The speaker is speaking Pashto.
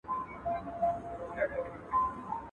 o چي پيلان کوي، پيلخانې به جوړوي.